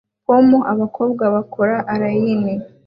Pom abakobwa bakora alain